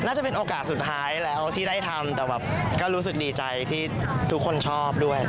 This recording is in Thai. น่าจะเป็นโอกาสสุดท้ายแล้วที่ได้ทำแต่แบบก็รู้สึกดีใจที่ทุกคนชอบด้วย